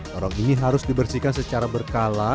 lorong ini harus dibersihkan secara berkala